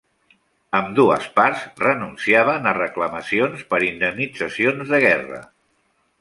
Ambdues parts renunciaven a reclamacions per indemnitzacions de guerra.